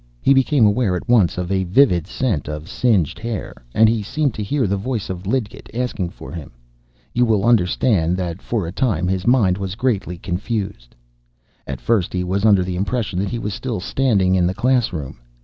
He became aware at once of a vivid scent of singed hair, and he seemed to hear the voice of Lidgett asking for him. You will understand that for a time his mind was greatly confused. At first he was under the impression that he was still standing in the class room.